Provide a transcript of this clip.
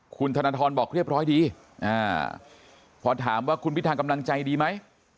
คุณธนทรบอกเรียบร้อยดีพอถามว่าคุณพิธากำลังใจดีไหม